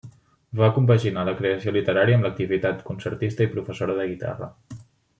Va compaginar la creació literària amb l'activitat de concertista i professora de guitarra.